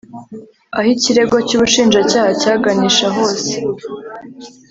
Aho ikirego cy ubushinjacyaha cyaganisha hose